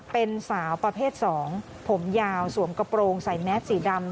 เป็นสาวประเภท๒ผมยาวสวมกระโปรงใส่แมสสีดำ